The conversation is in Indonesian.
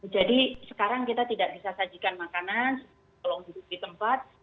jadi sekarang kita tidak bisa sajikan makanan tolong duduk di tempat